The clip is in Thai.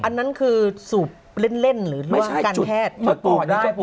อันนั้นคือสูบเล่นหรือร่วมการแพทย์